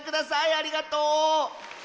ありがとう！